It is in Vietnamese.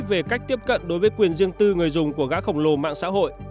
về cách tiếp cận đối với quyền riêng tư người dùng của gã khổng lồ mạng xã hội